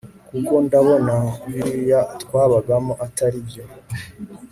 kuko ndabona biriya twabagamo atari byo